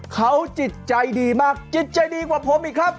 เขาจิตใจดีมากจิตใจดีกว่าผมอีกครับ